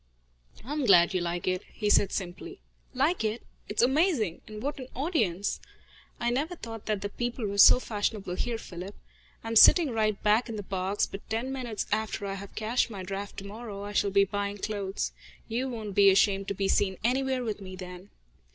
"I am glad you like it," he said simply. "Like it? It's amazing! And what an audience! I never thought that the people were so fashionable here, Philip. I am sitting right back in the box, but ten minutes after I have cashed my draft tomorrow I shall be buying clothes. You won't be ashamed to be seen anywhere with me then."